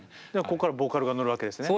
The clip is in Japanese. ここからボーカルが乗るわけですね。